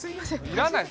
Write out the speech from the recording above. いらない。